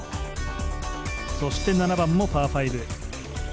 そして７番もパー５。